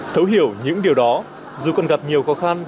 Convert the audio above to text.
thấu hiểu những điều đó dù còn gặp nhiều khó khăn